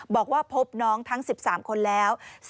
บอกว่าพบน้องทั้ง๑๓คนแล้ว